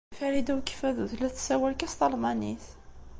Farida n Ukeffadu tella tessawal kan s talmanit.